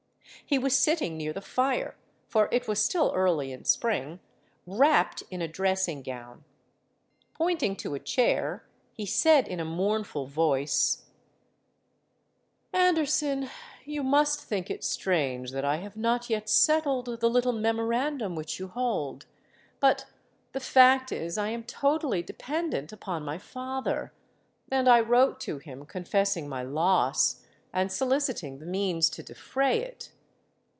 He was sitting near the fire—for it was still early in Spring—wrapped in a dressing gown. Pointing to a chair, he said in a mournful voice, 'Anderson, you must think it strange that I have not yet settled the little memorandum which you hold; but the fact is I am totally dependant upon my father, and I wrote to him confessing my loss, and soliciting the means to defray it.